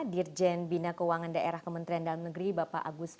dirjen bina keuangan daerah kementerian dalam negeri bapak agus